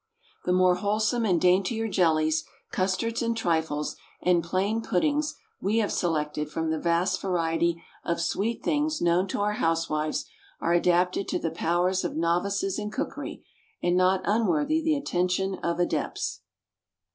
The more wholesome and daintier jellies, custards and trifles, and plain puddings we have selected from the vast variety of sweet things known to our housewives, are adapted to the powers of novices in cookery, and not unworthy the attention of adepts.